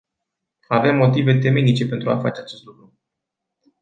Avem motive temeinice pentru a face acest lucru.